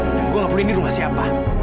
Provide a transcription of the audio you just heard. dan gue gak perlu ini rumah siapa